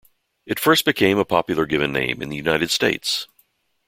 It first became a popular given name in the United States.